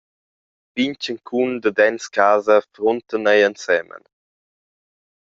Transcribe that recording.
Pign tschancun dadens casa fruntan ei ensemen.